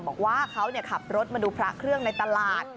บอกว่าเขาขับรถมาดูพระเครื่องในตลาด